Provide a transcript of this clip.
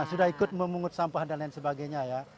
sudah ikut memungut sampah dan lain sebagainya ya